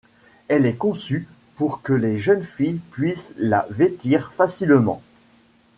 Elle est conçue pour que les jeunes filles puissent la vêtir facilement.